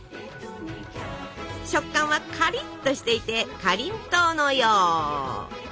食感はかりっとしていてかりんとうのよう！